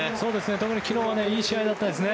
特に昨日はいい試合だったですね。